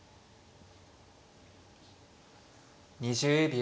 ２０秒。